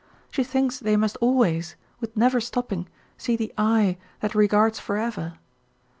She thinks they must always, with never stopping, see the 'Eye' that regards forever.